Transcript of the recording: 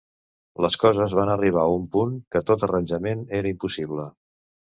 Les coses van arribar a un punt que tot arranjament era impossible.